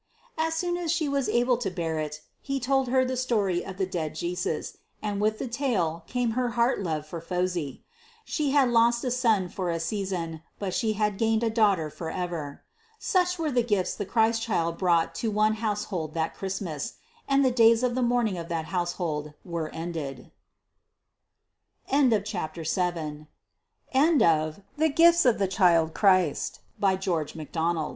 As soon as she was able to bear it, he told her the story of the dead Jesus, and with the tale came to her heart love for Phosy. She had lost a son for a season, but she had gained a daughter for ever. Such were the gifts the Christ child brought to one household that Christmas. And the days of the mourning of that household were ended. THE HISTORY OF PHOTOGEN AND NYCTERIS. A DAY AND NIGHT MÄHRCHEN. CHAPTER I. WATHO.